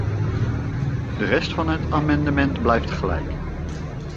De rest van het amendement blijft gelijk.